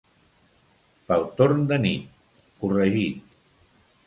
Pel torn de nit: corregit.